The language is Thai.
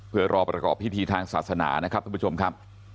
เพื่อรอประกอบพิธีทางศาสนานะครับทุกผู้ชมครับ